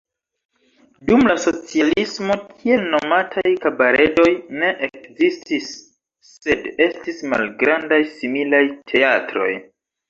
Dum la socialismo tiel nomataj kabaredoj ne ekzistis, sed estis malgrandaj similaj teatroj.